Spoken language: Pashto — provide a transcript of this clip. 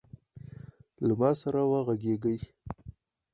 له ما سره وغږیږﺉ .